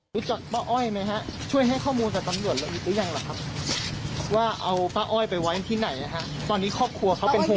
รู้จักป้าอ้อยไหมฮะช่วยให้ข้อมูลกับตำรวจเราอีกหรือยังหรือครับว่าเอาป้าอ้อยไปไว้ที่ไหนฮะตอนนี้ครอบครัวเขาเป็นคน